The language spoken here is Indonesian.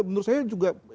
menurut saya juga